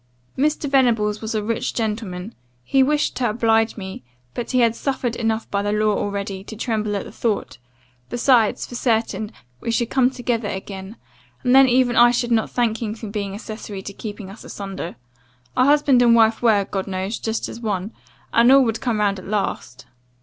"'Mr. Venables was a rich gentleman; he wished to oblige me, but he had suffered enough by the law already, to tremble at the thought; besides, for certain, we should come together again, and then even I should not thank him for being accessary to keeping us asunder. A husband and wife were, God knows, just as one, and all would come round at last.